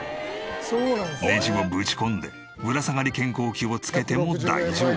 ネジをぶち込んでぶら下がり健康器を付けても大丈夫。